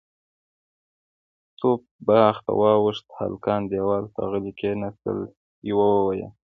توپ باغ ته واوښت، هلکان دېوال ته غلي کېناستل، يوه وويل: